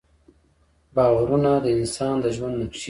باورونه د انسان د ژوند نقشې دي.